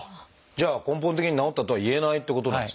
じゃあ根本的に治ったとはいえないってことなんですね。